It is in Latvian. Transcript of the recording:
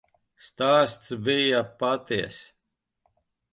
Stāsts bija patiess.